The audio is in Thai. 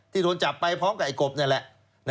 โดนจับไปพร้อมกับไอ้กบนี่แหละ